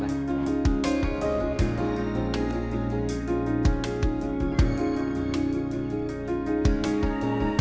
mbak catherine kita mau ke rumah